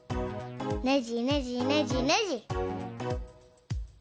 ねじねじねじねじ。